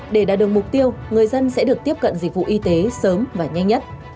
để đạt được mục tiêu người dân sẽ được tiếp cận dịch vụ y tế sớm và nhanh nhất